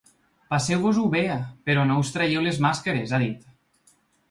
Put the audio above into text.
Passeu-vos-ho bé, però no us traieu les màscares, ha dit.